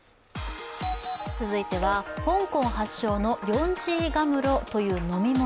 香港発祥のヨンジーガムロという飲み物。